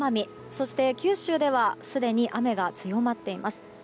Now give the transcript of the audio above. そして九州ではすでに雨が強まっています。